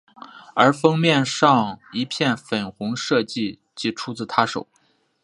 而封面上一片粉红设计即出自她手。